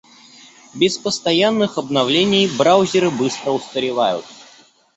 Без постоянных обновлений браузеры быстро устаревают.